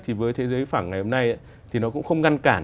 thì với thế giới phẳng ngày hôm nay thì nó cũng không ngăn cản